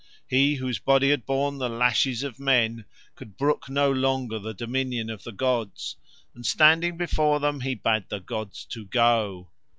He whose body had borne the lashes of men could brook no longer the dominion of the gods, and standing before Them he bade the gods to go.